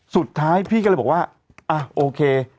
สุดท้ายพี่ก็เลยบอกว่าอ่ะโอเค